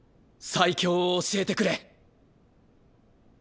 最強を教えてくれ。